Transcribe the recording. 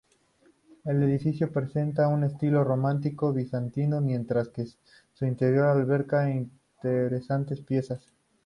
El edificio presenta un estilo románico bizantino, mientras que su interior alberga interesantes piezas.